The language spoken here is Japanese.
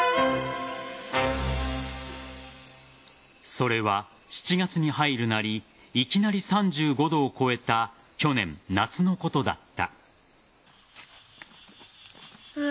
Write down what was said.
それは７月に入るなりいきなり３５度を超えた去年夏のことだった。